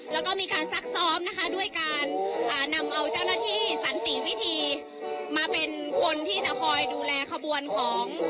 แล้วก็มีการซักซ้อมนะคะด้วยการนำเอาเจ้าหน้าที่สันติวิธีมาเป็นคนที่จะคอยดูแลขบวนของ